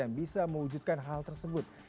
yang bisa mewujudkan hal tersebut